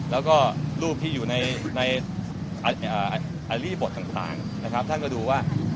แล้วก็รูปที่อยู่ในอริบทต่างนะครับท่านก็ดูว่า